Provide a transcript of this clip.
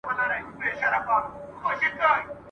زما لا مغروره ککرۍ دروېزه نه قبلوي !.